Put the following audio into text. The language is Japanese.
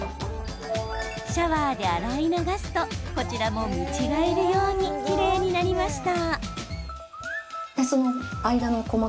シャワーで洗い流すと、こちらも見違えるようにきれいになりました。